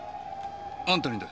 「あんたにだ」